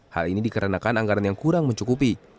hal ini dikarenakan anggaran yang kurang mencukupi